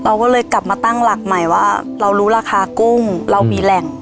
เราก็เลยกลับมาตั้งหลักใหม่ว่าเรารู้ราคากุ้งเรามีแหล่ง